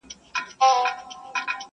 چي كرلې يې لمبې پر ګرګينانو!.